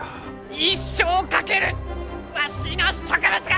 一生を懸けるわしの植物学！